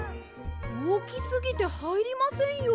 おおきすぎてはいりませんよ。